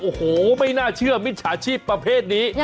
โอ้โหไม่น่าเชื่อมิจฉาชีพประเภทนี้